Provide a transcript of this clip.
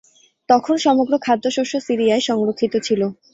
তখন সমগ্র খাদ্যশস্য সিরিয়ায় সংরক্ষিত ছিল।